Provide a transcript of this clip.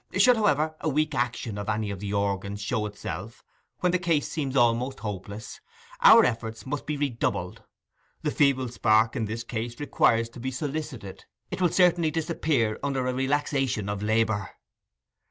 'Should, however, a weak action of any of the organs show itself when the case seems almost hopeless, our efforts must be redoubled; the feeble spark in this case requires to be solicited; it will certainly disappear under a relaxation of labour.